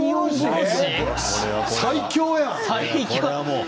最強やん。